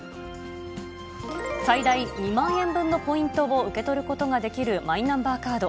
最大２万円分のポイントを受け取ることができるマイナンバーカード。